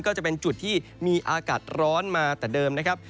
ก็จะเป็นจุดที่มีอากาศร้อนมาแต่เดิมนะครับ